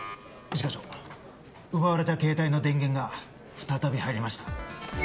一課長奪われた携帯の電源が再び入りました。